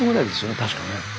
確かね。